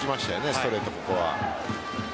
ストレート、ここは。